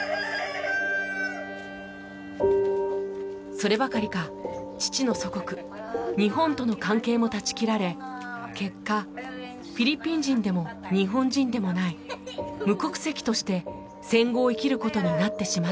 そればかりか父の祖国日本との関係も断ち切られ結果フィリピン人でも日本人でもない無国籍として戦後を生きることになってしまったのでした。